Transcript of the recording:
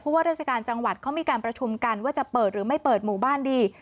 ว่าราชการจังหวัดเขามีการประชุมกันว่าจะเปิดหรือไม่เปิดหมู่บ้านดี